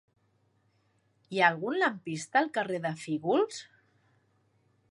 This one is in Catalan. Hi ha algun lampista al carrer de Fígols?